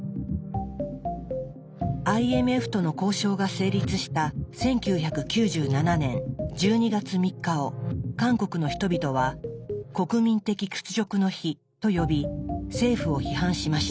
ＩＭＦとの交渉が成立した１９９７年１２月３日を韓国の人々は「国民的屈辱の日」と呼び政府を批判しました。